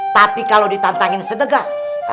tapi kalau ditantangin sedekah